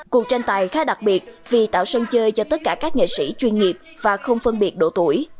cuộc tranh tài khá đặc biệt vì tạo sân chơi cho tất cả các nghệ sĩ chuyên nghiệp và không phân biệt độ tuổi